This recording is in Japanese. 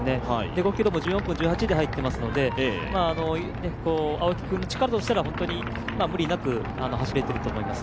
５ｋｍも１４分１８で入っていますので青木君の力としたら無理なく走れていると思います。